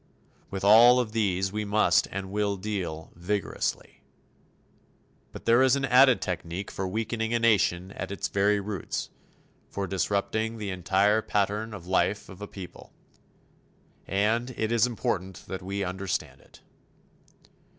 With all of these we must and will deal vigorously. But there is an added technique for weakening a nation at its very roots, for disrupting the entire pattern of life of a people. And it is important that we understand it.